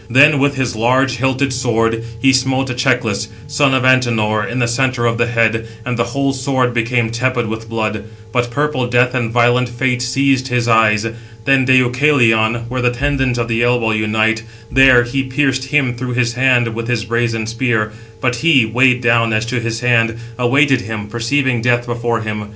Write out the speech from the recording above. Then, with his large hilted sword, he smote Echeclus, son of Antenor, in the centre of the head, and the whole sword became tepid with blood; but purple Death and violent Fate seized his eyes. Then Deucalion, where the tendons of the elbow unite, there he pierced him through his hand with his brazen spear; but he, weighed down as to his hand, awaited him, perceiving death before him.